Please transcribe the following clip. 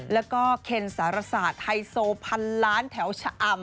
แล้วก็เคนสารศาสตร์ไฮโซพันล้านแถวชะอำ